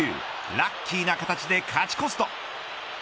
ラッキーな形で勝ち越すと。